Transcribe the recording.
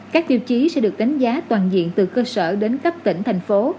các tiêu chí sẽ được đánh giá toàn diện từ cơ sở đến cấp tỉnh thành phố